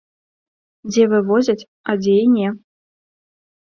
Дзе вывозяць, а дзе і не.